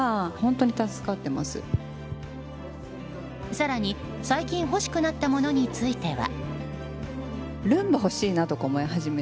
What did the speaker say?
更に最近欲しくなったものについては。